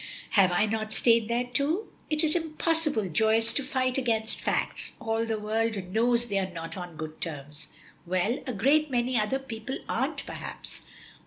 "Have I not stayed there too? It is impossible Joyce to fight against facts. All the world knows they are not on good terms." "Well, a great many other people aren't perhaps."